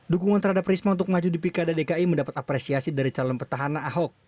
dukungan terhadap risma untuk ngacu di pk dan dki mendapat apresiasi dari calon pertahanan ahok